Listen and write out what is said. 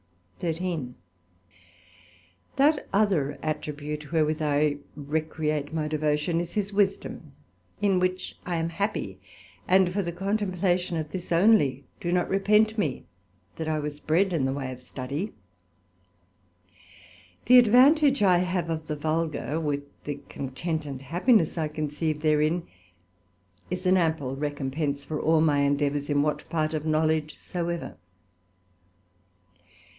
SECT.13 That other Attribute wherewith I recreate my devotion, is his Wisdom, in which I am happy; and for the contemplation of this only, do not repent me that I was bred in the way of Study: The advantage I have of the vulgar, with the content and happiness I conceive therein, is an ample recompence for all my endeavours, in what part of knowledge soever.